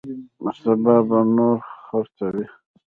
سبا به نور خرڅوي.